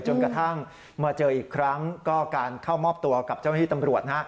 จนกระทั่งมาเจออีกครั้งก็การเข้ามอบตัวกับเจ้าหน้าที่ตำรวจ